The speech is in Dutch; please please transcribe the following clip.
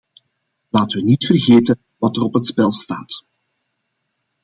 Laten we niet vergeten wat er op het spel staat.